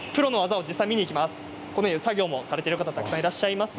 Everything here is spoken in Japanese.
作業されている方たくさんいらっしゃいます。